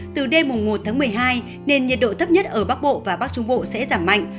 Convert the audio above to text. từ đêm một tháng một mươi hai nền nhiệt độ thấp nhất ở bắc bộ và bắc trung bộ sẽ giảm mạnh